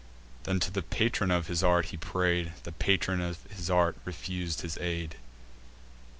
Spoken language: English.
Then to the patron of his art he pray'd: The patron of his art refus'd his aid.